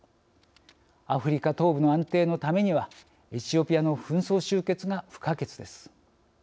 アフリカ東部の安定のためにはエチオピアの紛争終結が不可欠です。